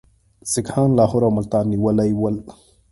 سیکهان لاهور او ملتان نیولي ول.